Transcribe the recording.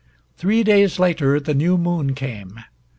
Three days later the new moon came.